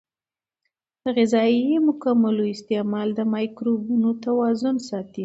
د غذایي مکملونو استعمال د مایکروبونو توازن ساتي.